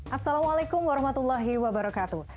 assalamualaikum warahmatullahi wabarakatuh